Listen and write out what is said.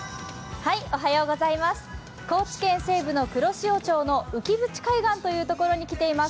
高知県西部の黒潮町の浮鞭海岸と言うところに来ています。